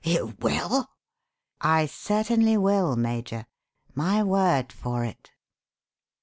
"You will?" "I certainly will, Major my word for it."